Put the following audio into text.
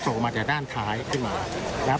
มาจากด้านท้ายขึ้นมานะครับ